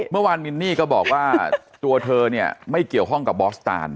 เมื่อวานมินนี่ก็บอกว่าตัวเธอเนี่ยไม่เกี่ยวข้องกับบอสตาน